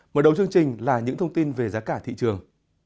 mở đầu chương trình là những thông tin về giá cả thị trường